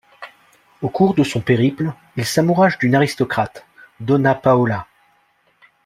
Au cours de son périple, il s'amourache d'une aristocrate, Donna Paola.